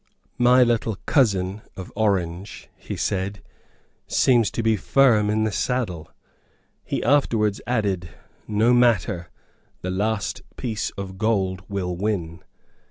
"My little cousin of Orange," he said, "seems to be firm in the saddle." He afterwards added: "No matter, the last piece of gold will win."